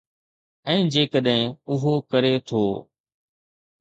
۽ جيڪڏهن اهو ڪري ٿو.